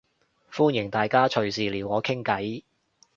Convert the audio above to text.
歡迎大家隨時撩我傾計